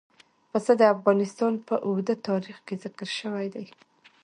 پسه د افغانستان په اوږده تاریخ کې ذکر شوی دی.